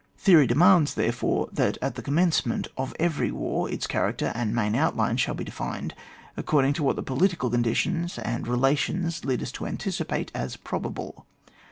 Theory demands^ therefore, that at the commencement of every war its cha racter and ntfkin outline shall be defined according to what the political conditions and relations lead us to anticipate as probable.